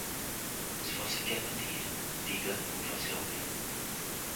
Se você quer mentir, diga o que você ouve.